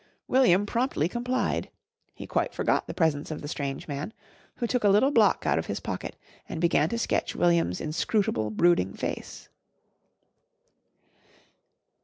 William promptly complied. He quite forgot the presence of the strange man, who took a little block out of his pocket and began to sketch William's inscrutable, brooding face.